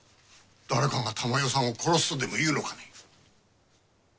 誰かが珠世さんを殺すとでもいうのかね？